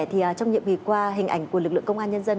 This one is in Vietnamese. trong những ngày qua hình ảnh của lực lượng công an nhân dân